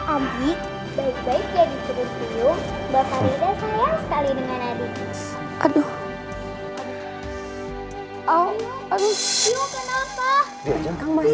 ami baik baik jadi perut biung bakal rindah sayang sekali dengan adik